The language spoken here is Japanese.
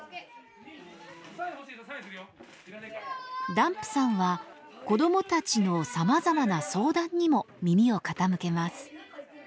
ダンプさんは子どもたちのさまざまな相談にも耳を傾けます。